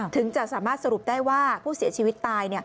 ถึงจะสามารถสรุปได้ว่าผู้เสียชีวิตตาย